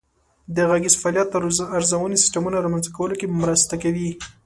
د غږیز فعالیت ارزونې سیسټمونه رامنځته کولو کې مرسته کوي.